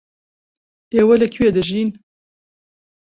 ئێوە لەکوێ دەژین؟